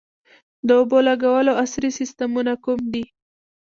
د اوبو لګولو عصري سیستمونه کوم دي؟